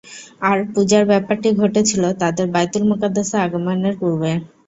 আর পূজার ব্যপারটি ঘটেছিল তাদের বায়তুল মুকাদ্দাসে আগমনের পূর্বে।